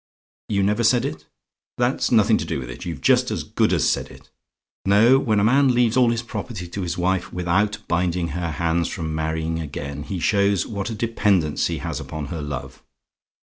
"YOU NEVER SAID IT? "That's nothing to do with it you've just as good as said it. No: when a man leaves all his property to his wife, without binding her hands from marrying again, he shows what a dependence he has upon her love.